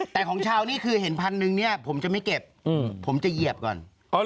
แต่ของชาวนี่คือเห็นพันหนึ่งเนี่ยผมจะไม่เก็บผมจะเหยียบก่อน